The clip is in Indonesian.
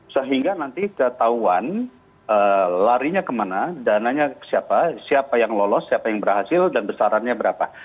sehingga nanti ketahuan larinya kemana dananya siapa siapa yang lolos siapa yang berhasil dan besarannya berapa